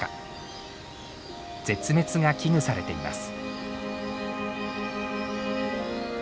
絶滅が危惧されています。